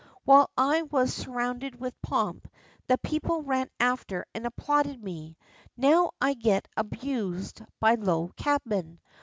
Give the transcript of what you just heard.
While I was surrounded with pomp, the people ran after and applauded me; now I get abused by a low cabman.